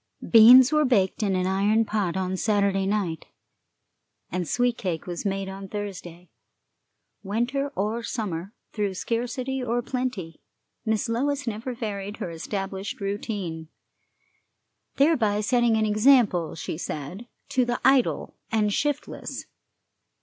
Beans were baked in an iron pot on Saturday night, and sweet cake was made on Thursday. Winter or summer, through scarcity or plenty, Miss Lois never varied her established routine, thereby setting an example, she said, to the idle and shiftless.